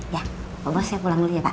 ya pak bos ya pulang dulu ya pak